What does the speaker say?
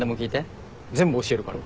全部教えるから。